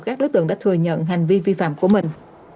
các đối tượng đã thừa nhận hành vi vi phạm của mình